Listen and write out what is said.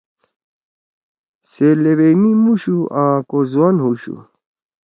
سے لیویئی می مُوشُو آں کو زُوان ہُوشُو۔